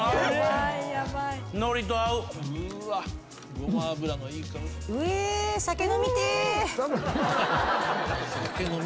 ごま油のいい香り。